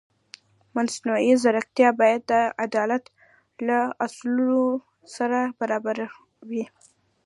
مصنوعي ځیرکتیا باید د عدالت له اصولو سره برابره وي.